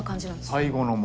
最後のも。